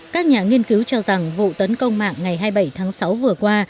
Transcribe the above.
các nhà nghiên cứu cho rằng vụ tấn công mạng ngày hai mươi bảy tháng sáu vừa qua